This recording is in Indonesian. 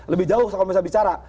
lebih jauh kalau misalnya bicara